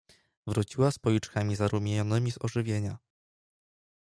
"Wróciła z policzkami zarumienionymi z ożywienia."